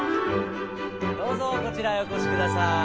どうぞこちらへお越し下さい。